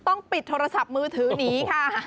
ต้องปิดโทรศัพท์มือถือหนีค่ะ